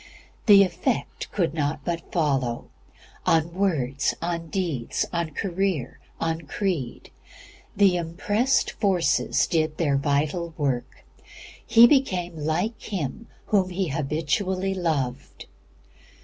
The effect could not but follow on words, on deeds, on career, on creed. The "impressed forces" did their vital work. He became like Him Whom he habitually loved.